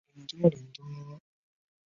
首府锡拉库萨。